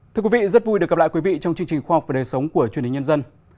thưa quý vị rất vui được gặp lại quý vị trong chương trình khoa học và đời sống của truyền hình nhân dân